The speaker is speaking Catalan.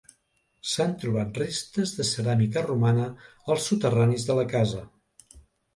S'han trobat restes de ceràmica romana als soterranis de la casa.